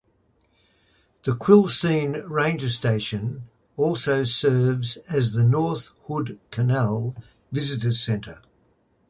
The Quilcene Ranger Station also serves as the North Hood Canal Visitors Center.